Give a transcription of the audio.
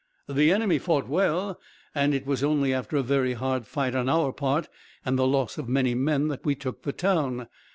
"The enemy fought well, and it was only after a very hard fight on our part, and a loss of many men, that we took the town.